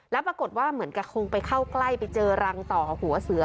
แล้วปรากฏว่าเหมือนกับคงไปเข้าใกล้ไปเจอรังต่อหัวเสือ